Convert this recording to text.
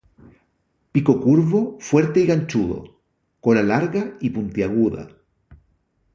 Pico curvo, fuerte y ganchudo; cola larga y puntiaguda.